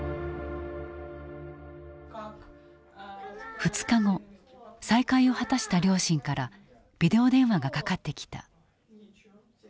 ２日後再会を果たした両親からビデオ電話がかかってきた。